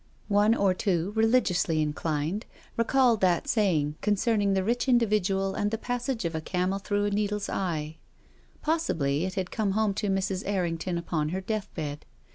One or two, religiously inclined, recalled that saying concerning the rich individual and the passage of a camel through a needle's eye. Possibly it had come home to Mrs. l",rring ton upon her death bed.